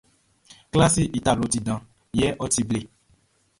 Klasiʼn i tabloʼn ti dan yɛ ɔ ti ble.